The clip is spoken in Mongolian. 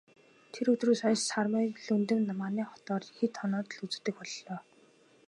Тэр өдрөөс хойш Сармай Лхүндэв манай хотоор хэд хоноод л үзэгдэх боллоо.